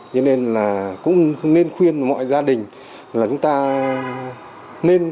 cho nên là cũng nên khuyên mọi gia đình là chúng ta nên